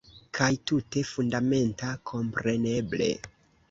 Kaj tute fundamenta, kompreneble.